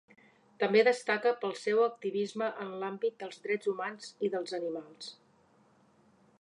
També destaca pel seu activisme en l'àmbit dels drets humans i dels animals.